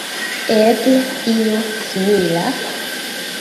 Eble io simila?